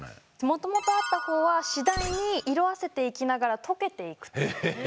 もともとあった方は次第に色あせていきながら溶けていくと。